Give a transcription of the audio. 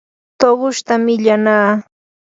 tuqushta millanaa.